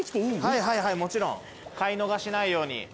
はいはいはいもちろん買い逃しないように。